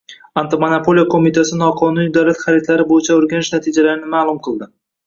Antimonopoliya qo‘mitasi noqonuniy davlat xaridlari bo‘yicha o‘rganish natijalarini ma'lum qildi